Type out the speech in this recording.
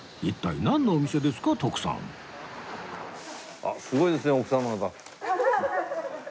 あっすごいですね奥様方。